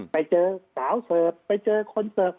ไปเจอสาวเสิร์ฟไปเจอคอนเสิร์ต